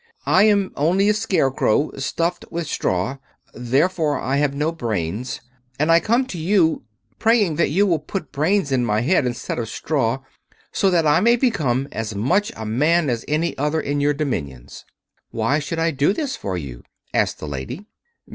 "I am only a Scarecrow, stuffed with straw. Therefore I have no brains, and I come to you praying that you will put brains in my head instead of straw, so that I may become as much a man as any other in your dominions." "Why should I do this for you?" asked the Lady.